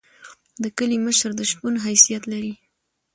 د کلی مشر د شپون حیثیت لري.